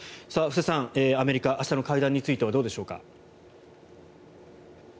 布施さん、アメリカ明日の会談についてはいかがでしょうか？